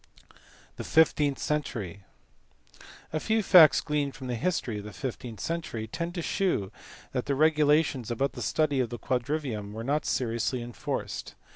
The fifteenth century. A few facts gleaned from the history of the fifteenth century tend to shew that the regula tions about the study of the quadrivium were not seriously enforced.